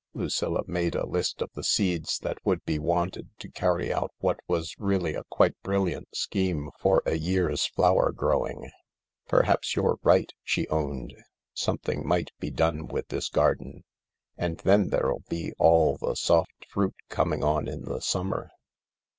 Lucilla made a list of the seeds that would be wanted to carry out what was really a quite brilliant scheme for a year's flower growing. "Perhaps you're right/' she owned i "something might be done with this garden. And then there'll be all the soft fruit coming on in the summer."